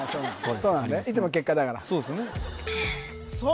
そうですねいつも結果だからそうですねさあ